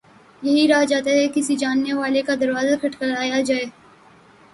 یہی رہ جاتا ہے کہ کسی جاننے والے کا دروازہ کھٹکھٹایا جائے۔